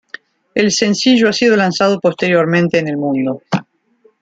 El sencillo ha sido lanzado posteriormente en el mundo.